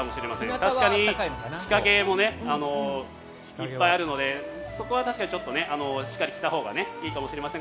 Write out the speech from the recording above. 確かに日陰もいっぱいあるのでそこは確かに、ちょっとしっかり着たほうがいいかもしれません。